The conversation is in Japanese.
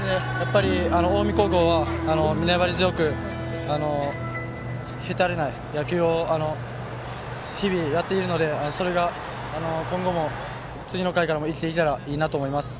近江高校は粘り強くへたれない野球を日々、やっているのでそれが次の回からも生きていけばいいなと思います。